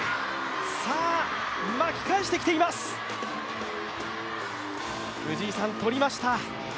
さあ巻き返しています、藤井さん、取りました。